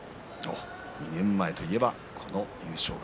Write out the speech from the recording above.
２年前といえばこの優勝額。